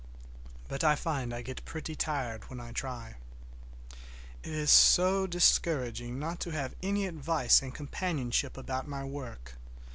But I find I get pretty tired when I try. It is so discouraging not to have any advice and companionship about my work.